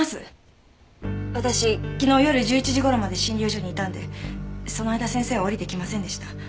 私昨日夜１１時頃まで診療所にいたんでその間先生は下りてきませんでした。